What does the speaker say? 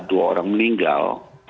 dua orang meninggal